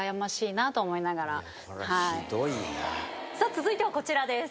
続いてはこちらです。